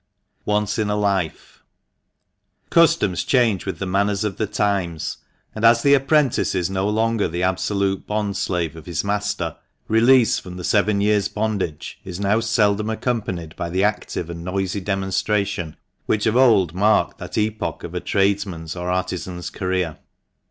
ONCE IN A LIFE. USTOMS change with the manners of the times, and as the apprentice is no longer the absolute bond slave of his master, release from the seven years bondage is now seldom accompanied by the active and noisy demonstra tion which of old marked that epoch of a tradesman's or artisan's career.